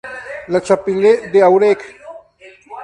La Chapelle-d'Aurec